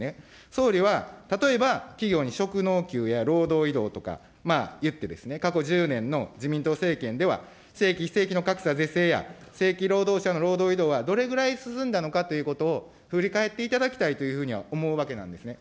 総理は、例えば企業に職能給や労働移動とかいって、過去１０年の自民党政権では正規、非正規の格差是正や、正規労働者の労働移動はどれぐらい進んだのかということを振り返っていただきたいというふうには思うわけなんですね。